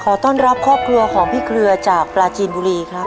ต้อนรับครอบครัวของพี่เครือจากปลาจีนบุรีครับ